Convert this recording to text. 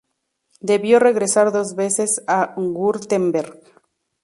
Debió regresar dos veces a Wurtemberg.